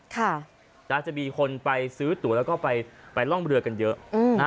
จะมีคนไปซื้อตัวแล้วก็ไปร่องเรือกันเยอะ